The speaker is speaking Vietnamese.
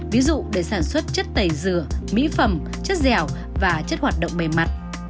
ví dụ để sản xuất chất tẩy dừa mỹ phẩm chất dẻo và chất hoạt động bề mặt